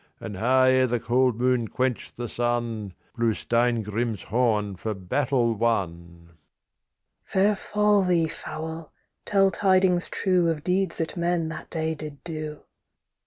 And high ere the cold moon quenched the sun, Blew Steingrim's horn for battle won. THE KING'S DAUGHTER Fair fall thee, fowl! Tell tidings true Of deeds that men that day did do.